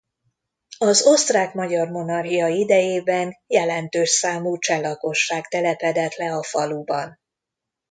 Az Osztrák-Magyar Monarchia idejében jelentős számú cseh lakosság telepedett le a faluban.